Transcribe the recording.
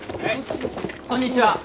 こんにちは！